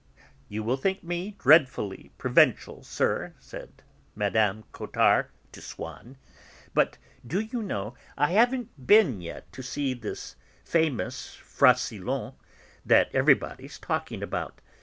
"You will think me dreadfully provincial, sir," said Mme. Cottard to Swann, "but, do you know, I haven't been yet to this famous Francillon that everybody's talking about.